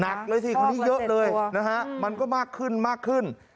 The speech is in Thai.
เลยสิคนนี้เยอะเลยนะฮะมันก็มากขึ้นมากขึ้น